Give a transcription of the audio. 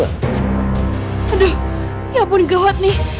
aduh ya ampun gawat nih